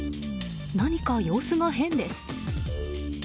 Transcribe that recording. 何か様子が変です。